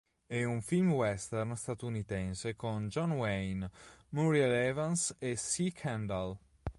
È un film western statunitense con John Wayne, Muriel Evans e Cy Kendall.